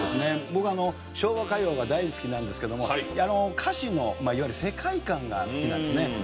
僕昭和歌謡が大好きなんですけども歌詞のいわゆる世界観が好きなんですね。